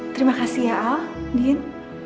terima kasih ya al din